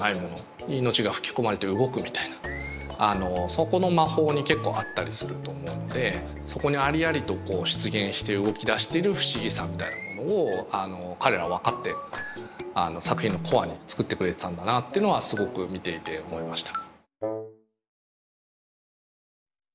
そこの魔法に結構あったりすると思うんでそこにありありと出現して動き出してる不思議さみたいなものを彼らは分かって作品のコアに作ってくれてたんだなっていうのはすごく見ていて思いました。